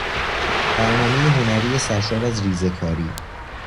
برنامهی هنری سرشار از ریزهکاری